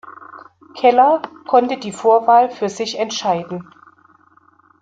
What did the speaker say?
Keller konnte die Vorwahl für sich entscheiden.